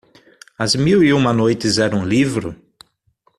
As mil e uma noites era um livro?